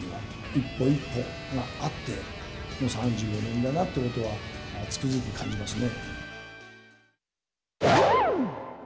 一歩一歩があっての３５年だなってことはつくづく感じますね。